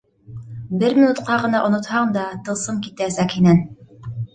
Бер минутҡа ғына онотһаң да, тылсым китәсәк һинән.